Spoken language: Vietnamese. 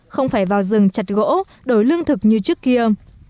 không phải vào rừng chặt gỗ đổi lương thực như trước kia